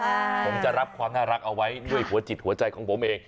ผมจะรับความน่ารักเอาไว้ด้วยหัวจิตหัวใจของผมเอง